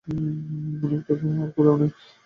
এমনটা পৃথিবীর আর কোথাও নেই।